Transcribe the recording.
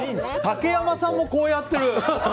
竹山さんもこうやってる！